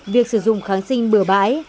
việc sử dụng kháng sinh bừa bãi